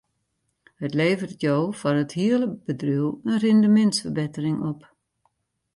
It leveret jo foar it hiele bedriuw in rindemintsferbettering op.